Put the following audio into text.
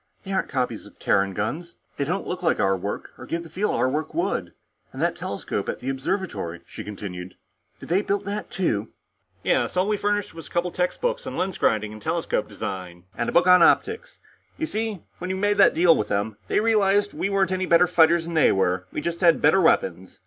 They aren't copies of Terran guns. They don't look like our work, or give you the feel our work would. And that telescope at the observatory," she continued. "Did they build that, too?" "Yes, all we furnished was a couple of textbooks on lens grinding and telescope design, and a book on optics. You see, when we made that deal with them, they realized that we weren't any better fighters than they were; we just had better weapons.